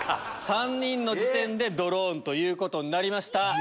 ３人の時点でドローンということになりました。